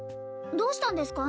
どうしたんですか？